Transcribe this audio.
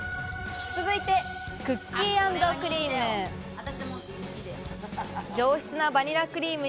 続いてクッキー＆クリーム。